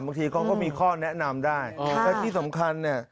บางทีเขาก็มีข้อแนะนำได้และที่สำคัญเนี่ย